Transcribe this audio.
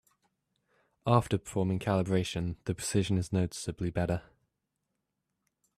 After performing calibration, the precision is noticeably better.